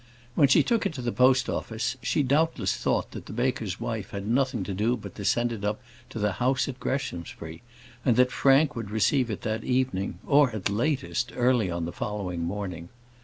When she took it to the post office, she doubtless thought that the baker's wife had nothing to do but to send it up to the house at Greshamsbury, and that Frank would receive it that evening, or, at latest, early on the following morning.